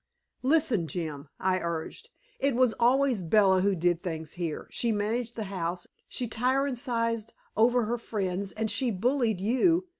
"Listen, Jim," I urged. "It was always Bella who did things here; she managed the house, she tyrannized over her friends, and she bullied you.